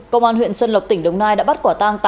công an huyện xuân lộc tỉnh đồng nai đã bắt quả tang